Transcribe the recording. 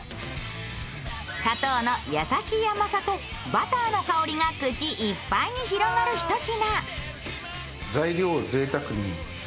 砂糖の優しい甘さとバターの香りが口いっぱいに広がる一品。